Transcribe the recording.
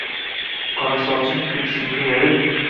Qora sochin ko‘ksimga yoyib